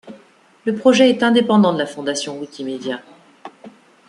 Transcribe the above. Le projet est indépendant de la fondation Wikimedia.